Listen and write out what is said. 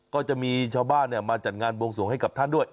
ก็จะมีชาวบ้านมาจัดงานบวงสวงให้กับท่านด้วย